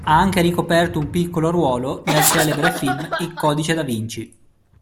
Ha anche ricoperto un piccolo ruolo nel celebre film "Il codice da Vinci".